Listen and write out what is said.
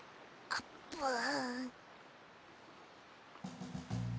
あーぷん！